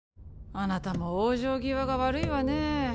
あなたも往生際が悪いわね